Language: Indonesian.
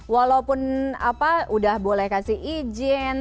walaupun apa udah boleh kasih izin